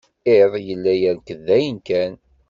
Iḍ yella yerked dayen kan.